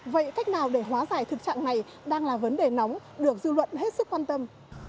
vậy cách nào để hóa giải thực trạng này đang là vấn đề nóng được dư luận hết sức quan tâm